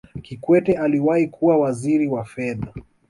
kikwete aliwahi kuwa waziri wa fedha